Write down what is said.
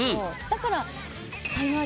だから。